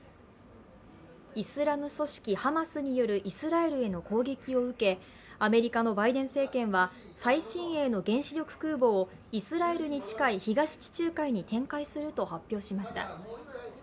イスラム組織ハマスによるイスラエルへの攻撃を受け、アメリカのバイデン政権は最新鋭の原子力空母をイスラエルに近い東地中海に展開すると発表しました。